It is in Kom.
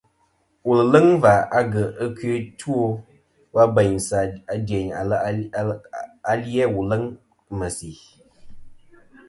Wùl ɨ̀ leŋ và agyèʼ ɨkœ ɨ two wa bèynsɨ dyèyn ali-a wù leŋ ɨ̀ mèsì.